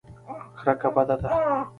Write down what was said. کرکه بده ده.